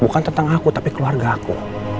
bukan tentang aku tapi keluarga aku